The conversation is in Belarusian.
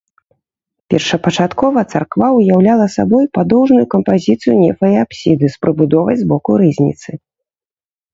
Першапачаткова царква ўяўляла сабой падоўжную кампазіцыю нефа і апсіды з прыбудовай збоку рызніцы.